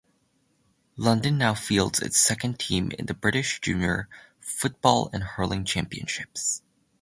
London now fields its second team in the British Junior football and hurling Championships.